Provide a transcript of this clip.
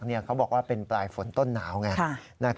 เขาบอกว่าเป็นปลายฝนต้นหนาวไง